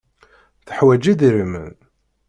Tuḥwaǧ idrimen.